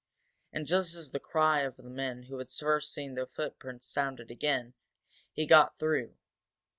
And, just as the cry of the man who first had seen the footprints sounded again, he got through.